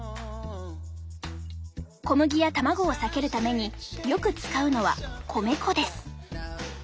小麦や卵を避けるためによく使うのは米粉です。